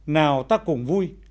nào ta cùng vui